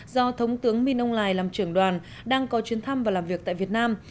do thống tướng minh âu lài làm trưởng đoàn đang có chuyến thăm và làm việc tại việt nam